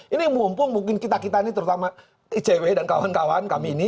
ini mumpung mungkin kita kita ini terutama icw dan kawan kawan kami ini